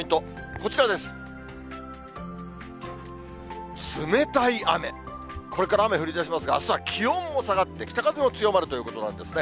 これから雨降りだしますが、あすは気温も下がって北風も強まるということなんですね。